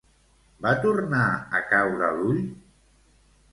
Va tornar a caure l'ull?